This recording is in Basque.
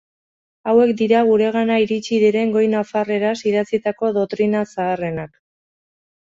Hauek dira guregana iritsi diren goi-nafarreraz idatzitako dotrina zaharrenak.